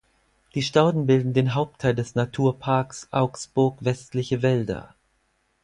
Die Stauden bilden den Hauptteil des Naturparks Augsburg Westliche Wälder.